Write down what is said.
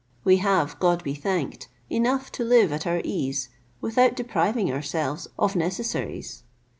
We have, God be thanked! enough to live at our ease, without depriving ourselves of necessaries.